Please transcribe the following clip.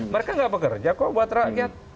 mereka nggak bekerja kok buat rakyat